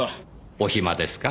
お暇ですか？